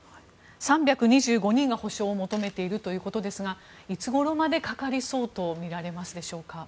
３２５人が補償を求めているということですがいつ頃までかかりそうとみられますでしょうか。